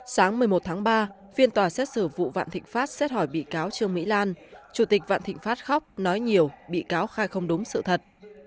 sáng một mươi một tháng ba phiên tòa xét xử vụ vạn thịnh pháp xét hỏi bị cáo trương mỹ lan chủ tịch vạn thịnh pháp khóc nói nhiều bị cáo khai không đúng sự thật